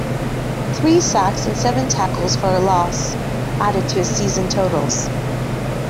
Three sacks and seven tackles for a loss added to his season totals.